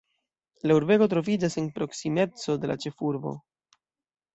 La urbego troviĝas en proksimeco de la ĉefurbo.